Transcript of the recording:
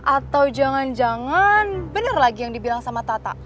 atau jangan jangan bener lagi yang dibilang sama tata